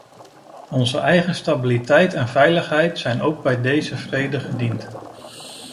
Onze eigen stabiliteit en veiligheid zijn ook bij deze vrede gediend.